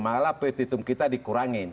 malah petitum kita dikurangin